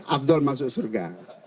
abdul masuk surga